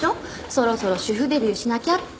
そろそろ主婦デビューしなきゃって。